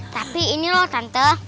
tapi ini loh tante